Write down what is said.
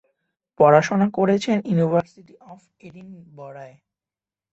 পড়াশোনা করেছেন university of এডিনবরায়।